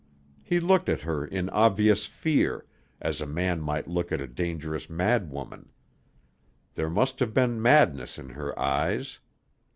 He looked at her in obvious fear, as a man might look at a dangerous madwoman. There must have been madness in her eyes.